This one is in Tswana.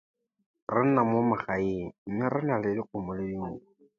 Re nna mo magaeng mme re na le dikgomo le dinku.